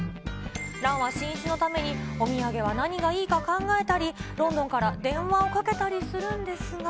蘭は新一のために、お土産は何がいいか考えたり、ロンドンから電話をかけたりするんですが。